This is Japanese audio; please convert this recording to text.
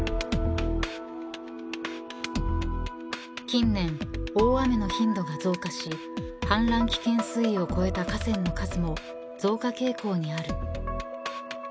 ［近年大雨の頻度が増加し氾濫危険水位を超えた河川の数も増加傾向にある］